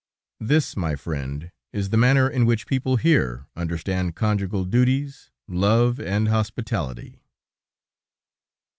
This, my friend, is the manner in which people here understand conjugal duties, love, and hospitality!